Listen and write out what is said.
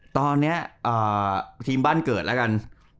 ตอนนี้ทีมบ้านเกิดแล้วกัน